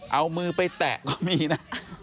เอามือไปแตะก็มีนะ